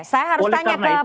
saya harus tanya ke pak